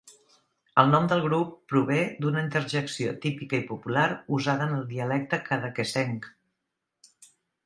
El nom del grup prové d'una interjecció típica i popular usada en el dialecte cadaquesenc.